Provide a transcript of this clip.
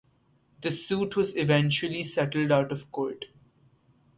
The suit was eventually settled out of court.